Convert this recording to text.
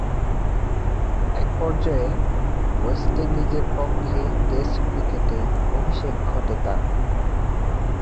এক পর্যায়ে ওয়েস্ট ইন্ডিজের পক্ষে টেস্ট ক্রিকেটে অভিষেক ঘটে তার।